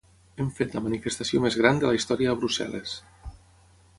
Hem fet la manifestació més gran de la història a Brussel·les.